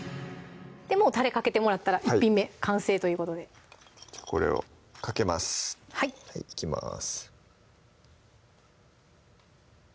もうたれかけてもらったら１品目完成ということでこれをかけますいきます